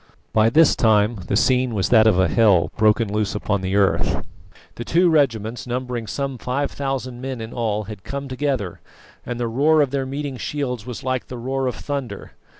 By this time the scene was that of a hell broken loose upon the earth. The two regiments, numbering some 5000 men in all, had come together, and the roar of their meeting shields was like the roar of thunder.